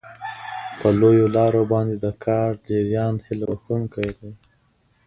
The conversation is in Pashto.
په لویو لارو باندې د کار جریان هیله بښونکی دی.